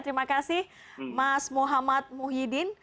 terima kasih mas muhammad muhyiddin